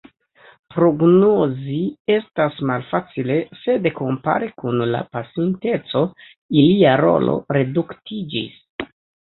Prognozi estas malfacile, sed kompare kun la pasinteco ilia rolo reduktiĝis.